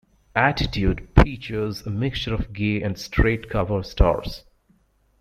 Attitude features a mixture of gay and straight cover stars.